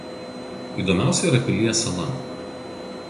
Įdomiausia yra Pilies sala.